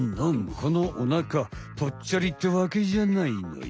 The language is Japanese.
このお腹ぽっちゃりってわけじゃないのよ。